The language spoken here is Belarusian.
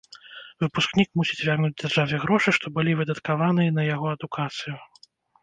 Выпускнік мусіць вярнуць дзяржаве грошы, што былі выдаткаваныя на яго адукацыю.